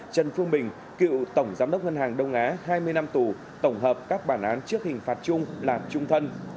trần phương bình cựu tổng giám đốc ngân hàng đông á hai mươi năm tù tổng hợp các bản án trước hình phạt chung là trung thân